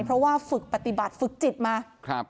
เพราะว่าฝึกปฏิบัติฝึกจิตมาครับ